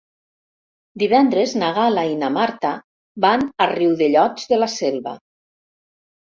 Divendres na Gal·la i na Marta van a Riudellots de la Selva.